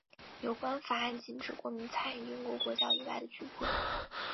有关法案禁止国民参与英国国教以外的聚会。